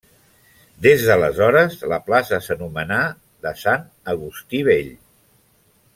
Des d'aleshores la plaça s'anomenà de Sant Agustí Vell.